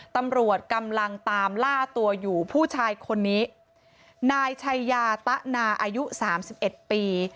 ตำรวจกำลังตามล่าตัวอยู่ผู้ชายคนนี้นายชัยยาตะนาอายุสามสิบเอ็ดปี